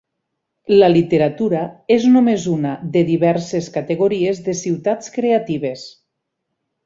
La literatura és només una de diverses categories de Ciutats Creatives.